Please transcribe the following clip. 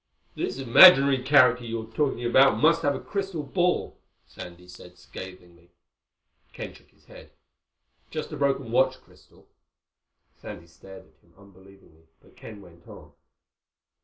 "This imaginary character you're talking about must have a crystal ball," Sandy said scathingly. Ken shook his head. "Just a broken watch crystal." Sandy stared at him unbelievingly, but Ken went on.